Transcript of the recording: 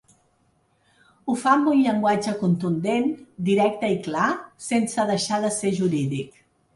Ho fa amb un llenguatge contundent, directe i clar, sense deixar de ser jurídic.